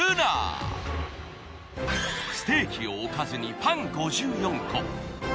ステーキをおかずにパン５４個。